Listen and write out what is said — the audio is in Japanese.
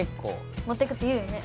持ってくって言うよね